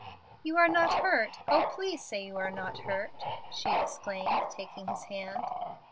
"You are not hurt. Oh, please say you are not hurt!" she exclaimed, taking his hand.